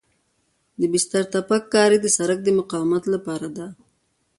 د بستر تپک کاري د سرک د مقاومت لپاره ده